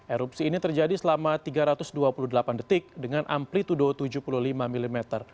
erupsi ini terjadi selama tiga ratus dua puluh delapan detik dengan amplitude tujuh puluh lima mm